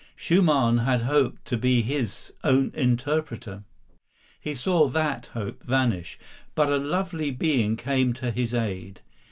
Schumann had hoped to be his own interpreter. He saw that hope vanish, but a lovely being came to his aid.